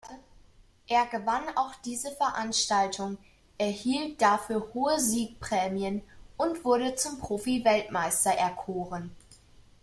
Er gewann auch diese Veranstaltung, erhielt dafür hohe Siegprämien und wurde zum Profi-Weltmeister erkoren.